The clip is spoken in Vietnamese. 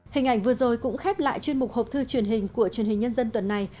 hình ảnh vừa rồi cũng khép lại chuyên mục hộp thư truyền hình của truyền hình nhân dân tuần này